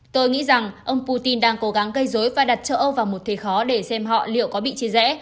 tôi nghĩ rằng ông putin đang cố gắng gây dối và đặt châu âu vào một thế khó để xem họ liệu có bị chia rẽ